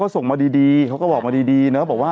สมัยก่อนมี